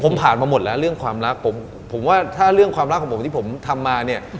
ผมผ่านมาหมดแล้วเรื่องความรักผมผมว่าถ้าเรื่องความรักของผมที่ผมทำมาเนี่ย